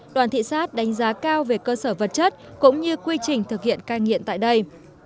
đoàn thị xát đánh giá cao về cơ sở vật chất cũng như quy trình thực hiện cai nghiện tại đây